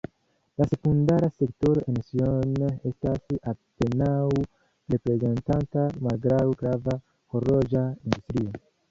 La sekundara sektoro en Sion estas apenaŭ reprezentata malgraŭ grava horloĝa industrio.